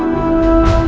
ibu bunda disini nak